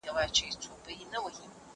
هم دي عقل هم دي فکر پوپناه سو